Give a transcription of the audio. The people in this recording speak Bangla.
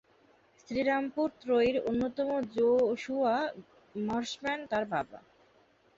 শ্রীরামপুর ত্রয়ীর অন্যতম জোশুয়া মার্শম্যান তার বাবা।